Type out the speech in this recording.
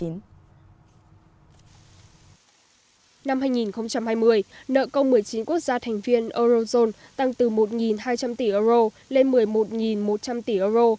năm hai nghìn hai mươi nợ công một mươi chín quốc gia thành viên eurozone tăng từ một hai trăm linh tỷ euro lên một mươi một một trăm linh tỷ euro